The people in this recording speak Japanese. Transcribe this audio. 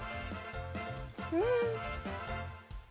うん！